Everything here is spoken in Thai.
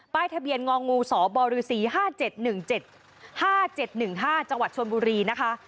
ทะเบียนงองูสบศ๕๗๑๗๕๗๑๕จังหวัดชนบุรีนะคะ